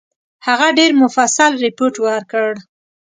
هغه ډېر مفصل رپوټ ورکړ.